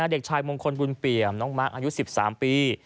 เด็กชายมงคลบุญเปี่ยมน้องมาร์คอายุ๑๓ปี